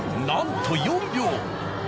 なんと４秒。